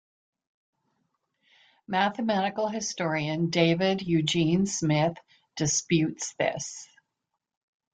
Mathematical historian David Eugene Smith disputes this.